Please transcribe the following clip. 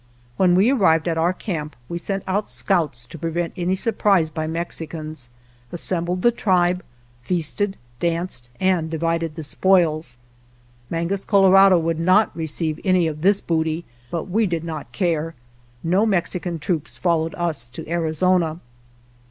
When we arrived at our camp we sent out scouts to prevent any surprise by Mexicans, assembled the tribe, feasted, danced, and divided the spoils. Mangus Colorado would not receive any of this booty, but we did not care. No Mex ican troops followed us to Arizona.